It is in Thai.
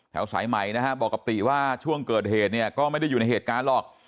สายใหม่นะฮะบอกกับติว่าช่วงเกิดเหตุเนี่ยก็ไม่ได้อยู่ในเหตุการณ์หรอก